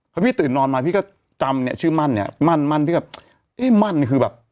พอพี่ตื่นนอนมาพี่ก็จำเนี่ยชื่อมั่นเนี่ยมั่นมั่นที่แบบเอ๊ะมั่นนี่คือแบบ